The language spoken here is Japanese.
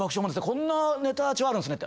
こんなネタ帳あるんですね」